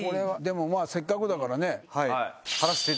まぁせっかくだからね。